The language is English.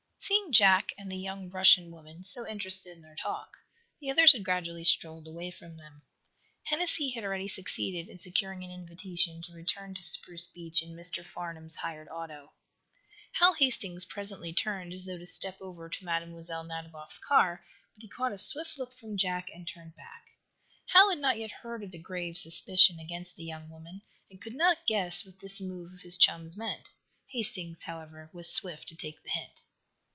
Seeing Jack and the young Russian woman so interested in their talk, the others had gradually strolled away from them. Hennessy had already succeeded in securing an invitation to return to Spruce Beach in Mr. Farnum's hired auto. Hal Hastings presently turned, as though to step over to Mlle. Nadiboff's car, but he caught a swift look from Jack, and turned back. Hal had not yet heard of the grave suspicion against the young woman, and could not guess what this move of his chum's meant. Hastings, however, was swift to take the hint.